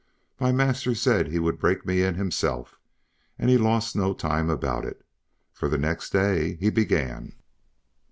My master said he would break me in himself, and he lost no time about it, for the next day he began.